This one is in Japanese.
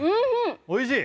おいしい！